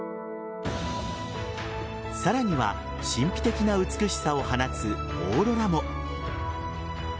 さらには神秘的な美しさを放つオーロラも。